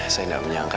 saya gak menyangka